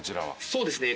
そうですね